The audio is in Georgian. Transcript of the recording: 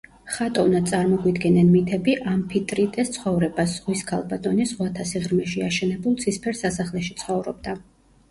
ხატოვნად წარმოგვიდგენენ მითები ამფიტრიტეს ცხოვრებას: ზღვის ქალბატონი ზღვათა სიღრმეში აშენებულ ცისფერ სასახლეში ცხოვრობდა.